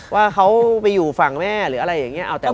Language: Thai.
ว่าเขาไปอยู่ฝั่งแม่หรืออะไรอย่างนี้เอาแต่ว่า